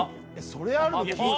それあるの聞いてないわ。